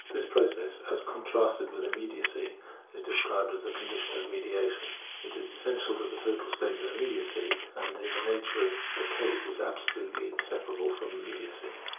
This process, as contrasted with immediacy, is described as the condition of ' mediation.' It is as essential to the total state a« immediacy, and in the nature of the case is absolutely inseparable from immediacy.